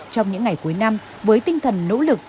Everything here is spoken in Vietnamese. trong những ngày cuối năm với tinh thần nỗ lực